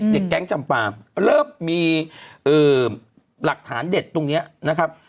แก๊งจำปามเริ่มมีหลักฐานเด็ดตรงนี้นะครับ